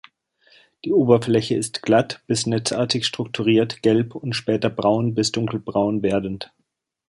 Die Oberfläche ist glatt bis netzartig strukturiert, gelb und später braun bis dunkelbraun werdend.